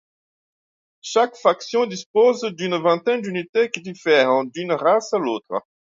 Chaque faction dispose d’une vingtaine d’unités qui diffèrent d’une race à l’autre.